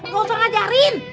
gak usah ngajarin